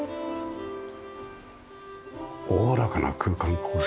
おおらかな空間構成というか。